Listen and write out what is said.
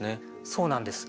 そうなんです。